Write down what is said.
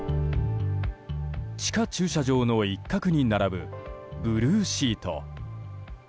地下駐車場の一角に並ぶブルーシート。